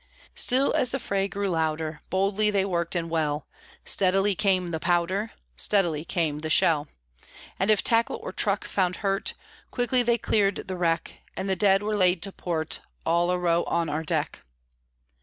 Still, as the fray grew louder, Boldly they worked and well Steadily came the powder, Steadily came the shell. And if tackle or truck found hurt, Quickly they cleared the wreck And the dead were laid to port, All a row, on our deck.